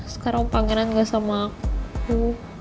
sekarang pangeran gak sama aku